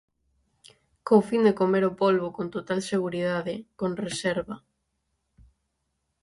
Co fin de comer o polbo con total seguridade, con reserva.